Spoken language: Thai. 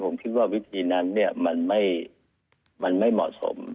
ผมคิดว่าวิธีนั้นเนี่ยมันไม่เหมาะสม